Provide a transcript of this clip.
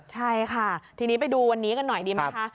ใช่ค่ะทีนี้ไปดูวันนี้กันหน่อยดีไหมคะ